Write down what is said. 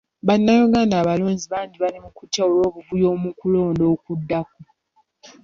Bannayuganda abalonzi bangi bali mu kutya olw'obuvuyo mu kulonda okuddako.